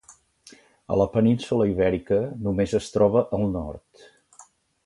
A la península Ibèrica només es troba al nord.